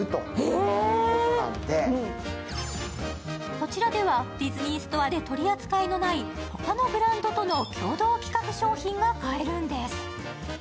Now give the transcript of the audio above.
こちらではディズニーストアで取り扱いのない、他のブランドとの共同企画商品が買えるんです。